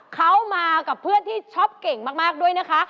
เขามากับเพื่อนที่ช็อปเก่งมากด้วยนะคะ